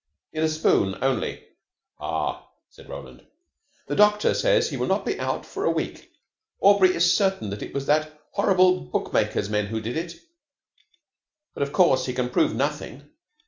"In a spoon only." "Ah!" said Roland. "The doctor says he will not be out for a week. Aubrey is certain it was that horrible book maker's men who did it, but of course he can prove nothing.